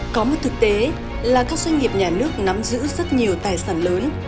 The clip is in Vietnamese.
có một thực tế là các doanh nghiệp nhà nước nắm giữ rất nhiều tài sản lớn